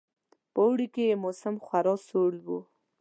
په اوړي کې یې موسم خورا سوړ وو.